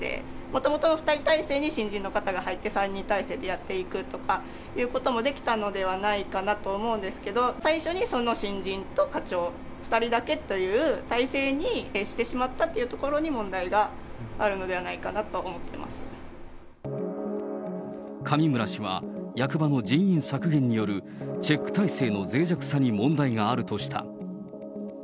もともと２人体制に新人の方が入って、３人体制でやっていくとかいうこともできたのではないかなと思うんですけど、最初にその新人と課長、２人だけという体制にしてしまったというところに問題があるので上村氏は、役場の人員削減によるチェック体制のぜい弱さに問題があるとした。